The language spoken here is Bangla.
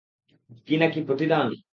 কি, নাকি প্রতিদান?